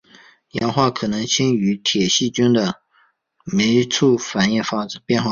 氧化可能经由铁细菌的酶促反应发生。